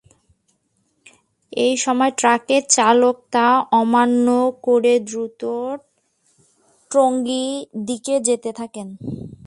এ সময় ট্রাকের চালক তা অমান্য করে দ্রুত টঙ্গীর দিকে যেতে থাকেন।